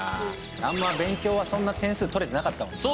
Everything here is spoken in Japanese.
あんま勉強はそんな点数とれてなかったもんな。